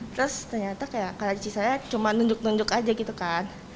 terus ternyata kayak saya cuma nunjuk nunjuk aja gitu kan